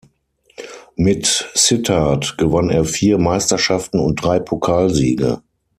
Mit Sittard gewann er vier Meisterschaften und drei Pokalsiege.